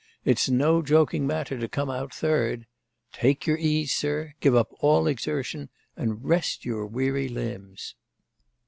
It's no joking matter to come out third! Take your ease, sir; give up all exertion, and rest your weary limbs!